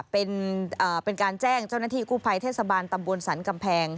เป็นการแจ้งเจ้าหน้าที่กู้ภัยเทศบาลตำบลสรรกำแพง